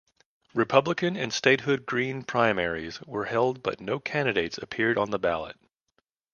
Republican and Statehood Green primaries were held but no candidates appeared on the ballot.